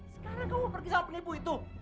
sekarang kamu pergi saat penipu itu